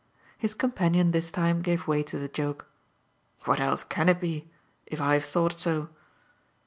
His companion this time gave way to the joke. "What else can it be if I've thought so?"